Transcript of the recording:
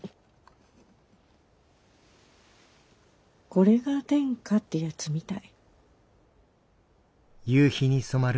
これが天下ってやつみたい。